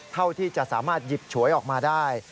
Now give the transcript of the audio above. เท่าที่จะสามารถหยิบฉวยออกมาได้